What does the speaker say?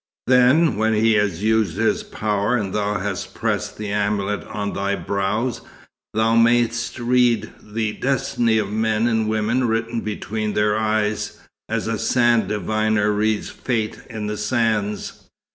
Then, when he has used his power, and thou hast pressed the amulet on thy brows, thou mayst read the destiny of men and women written between their eyes, as a sand diviner reads fate in the sands.